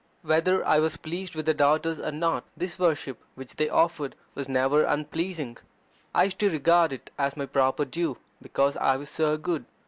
Whether I was pleased with their daughters or not, this worship which they offered was never unpleasing. I used to regard it as my proper due, because I was so good.